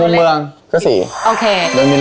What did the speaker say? ลองไหม